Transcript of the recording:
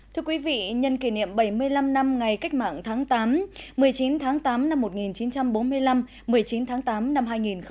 thưa quý vị nhân kỷ niệm bảy mươi năm năm ngày cách mạng tháng tám một mươi chín tháng tám năm một nghìn chín trăm bốn mươi năm một mươi chín tháng tám năm hai nghìn một mươi chín